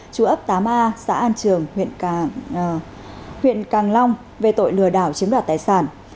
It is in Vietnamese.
chú ấp tám a xã an trường huyện càng long về tội lừa đảo chiếm đoạt tài sản